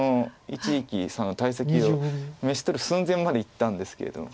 一力さんの大石を召し捕る寸前までいったんですけれども。